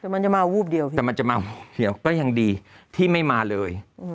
มันจะมาวูบเดียวก็ยังดีที่ไม่มาเลย